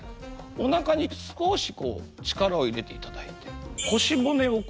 おなかに少し力を入れていただいて。